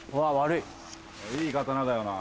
いい刀だよなぁ。